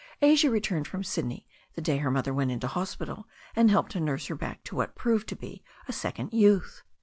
Asia returned from Sydney the day her mother went into hospital, and helped to nurse her back to what proved to be a second youth.